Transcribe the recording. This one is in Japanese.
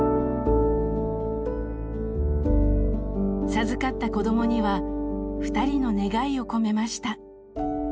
授かった子どもにはふたりの願いを込めました。